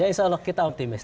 ya insya allah kita optimis